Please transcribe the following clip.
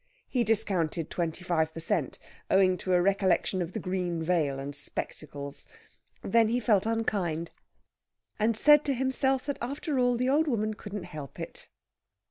He discounted twenty five per cent., owing to a recollection of the green veil and spectacles. Then he felt unkind, and said to himself, that, after all, the old woman couldn't help it.